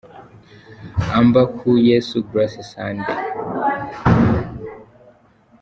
Amba Khu Yesu – Grace Sunday.